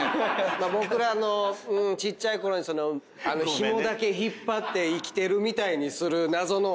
僕らのちっちゃいころにひもだけ引っ張って生きてるみたいにする謎のおもちゃありましたけど。